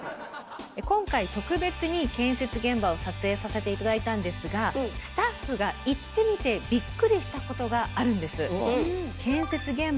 今回特別に建設現場を撮影させて頂いたんですがスタッフが行ってみてびっくりしたことがあるんです。